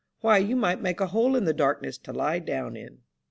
Why, you might make a hole in this darkness to lie down in."